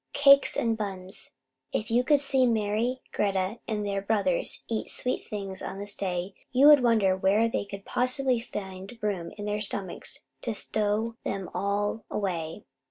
Cakes and buns! If you could see Mari, Greta, and their brothers eat sweet things on this day, you would wonder where they could possibly find room in their stomachs to stow them all away.